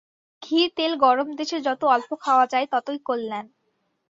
ঘি তেল গরম দেশে যত অল্প খাওয়া যায়, ততই কল্যাণ।